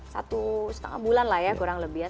satu setengah bulan lah ya kurang lebih ya